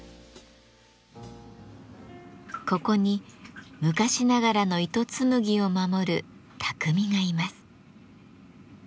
ここに昔ながらの糸紡ぎを守る匠がいます。